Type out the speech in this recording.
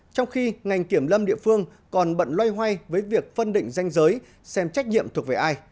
trong khi ngành kiểm lâm địa phương còn bận loay hoay với việc phân định danh giới xem trách nhiệm thuộc về ai